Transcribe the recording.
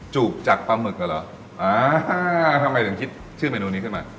จูบจากปลาหมึกเหรออ่าทำไมถึงคิดชื่อเมนูนี้ขึ้นมา